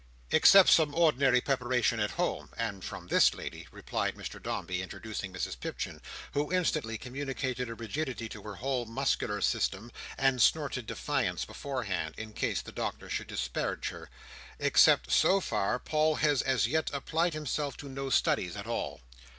"Except some ordinary preparation at home, and from this lady," replied Mr Dombey, introducing Mrs Pipchin, who instantly communicated a rigidity to her whole muscular system, and snorted defiance beforehand, in case the Doctor should disparage her; "except so far, Paul has, as yet, applied himself to no studies at all."